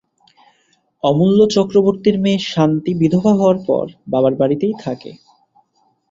অমূল্য চক্রবর্তীর মেয়ে শান্তি বিধবা হওয়ার পর বাবার বাড়িতেই থাকে।